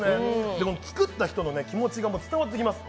でも作った人の気持ちが伝わってきます。